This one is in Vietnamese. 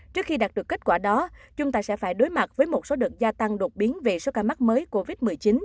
trước khi đạt được kết quả đó chúng ta sẽ phải đối mặt với một số đợt gia tăng đột biến về số ca mắc mới covid một mươi chín